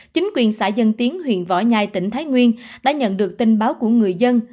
chính quyền xã dân tiến huyện võ nhai tỉnh thái nguyên đã nhận được tin báo của người dân